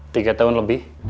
tiga tahun lebih